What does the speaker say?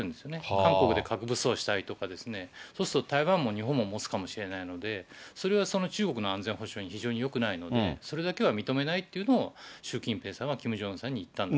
韓国で核武装したりとかですね、そうすると、台湾も日本も持つかもしれないので、それはその中国の安全保障に非常によくないので、それだけは認めないというのを、習近平さんはキム・ジョンウンさんに言ったんです。